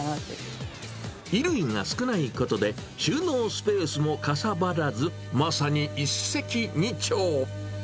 衣類が少ないことで、収納スペースもかさばらず、まさに一石二鳥。